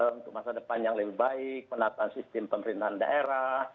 untuk masa depan yang lebih baik penataan sistem pemerintahan daerah